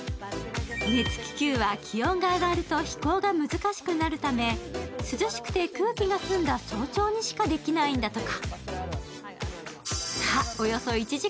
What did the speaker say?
熱気球は気温が上がると飛行が難しくなるため涼しくて空気が澄んだ早朝にしかできないだとか。